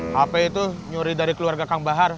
hp itu nyuri dari keluarga kang bahar